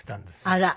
あら。